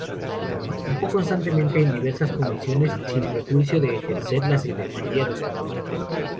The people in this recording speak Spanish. Participó constantemente en diversas comisiones, sin perjuicio de ejercer la secretaría de su cámara.